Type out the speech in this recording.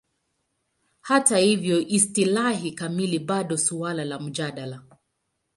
Hata hivyo, istilahi kamili bado suala la mjadala.